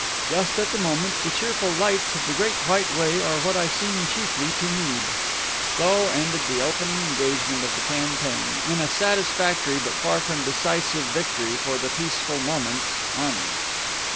Just at the moment, the cheerful lights of the Great White Way are what I seem chiefly to need." So ended the opening engagement of the campaign, in a satisfactory but far from decisive victory for the Peaceful Moments' army.